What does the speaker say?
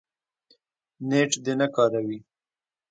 نېټ دې نه کاروي